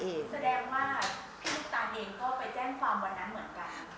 แสดงว่าพี่ซุปตาเองก็ไปแจ้งความวันนั้นเหมือนกัน